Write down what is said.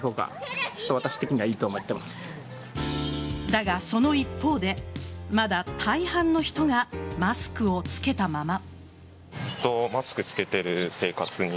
だが、その一方でまだ大半の人がマスクをつけたまま。